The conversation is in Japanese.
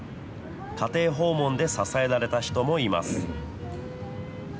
家庭訪問で支えられた人もいます。